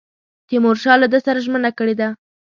تیمورشاه له ده سره ژمنه کړې ده.